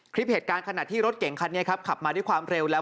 คลิปเหตุการณ์ขณะที่รถเก่งคันนี้ครับขับมาด้วยความเร็วแล้ว